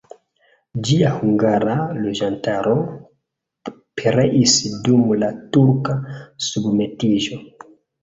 Ĝia hungara loĝantaro pereis dum la turka submetiĝo.